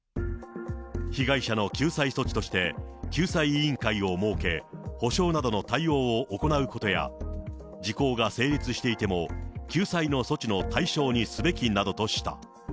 被害者の救済措置として、救済委員会を設け、補償などの対応を行うことや、時効が成立していても救済の措置の対象にすべきなどとした。